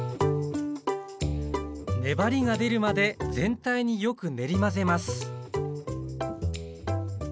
粘りが出るまで全体によく練り混ぜます